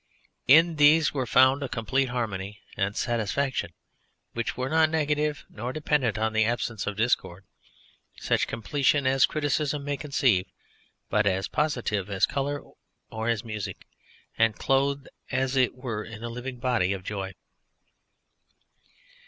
In these were found a complete harmony and satisfaction which were not negative nor dependent upon the absence of discord such completion as criticism may conceive but as positive as colour or as music, and clothed as it were in a living body of joy.